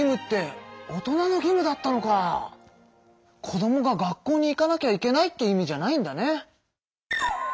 子どもが学校に行かなきゃいけないって意味じゃないんだね。